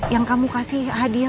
yang kamu kasih hadiah